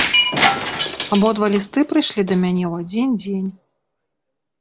Абодва лісты прыйшлі да мяне ў адзін дзень.